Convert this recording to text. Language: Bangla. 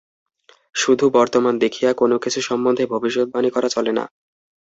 শুধু বর্তমান দেখিয়া কোন কিছু সম্বন্ধে ভবিষ্যদ্বাণী করা চলে না।